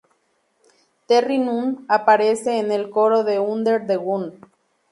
Terri Nunn aparece en el coro de "Under The Gun".